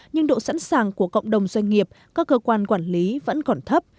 nhưng độ sẵn sàng của cộng đồng doanh nghiệp các cơ quan quản lý vẫn còn thấp